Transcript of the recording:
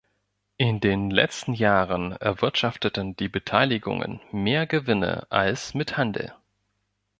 In den letzten Jahren erwirtschafteten die Beteiligungen mehr Gewinne als mit Handel.